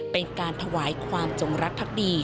เป็นการถวายความจงรักภักดี